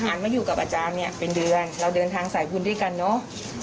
มาอยู่กับอาจารย์เนี่ยเป็นเดือนเราเดินทางสายบุญด้วยกันเนอะ